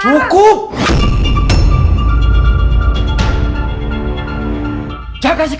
aku mau ketemu dengan papa aku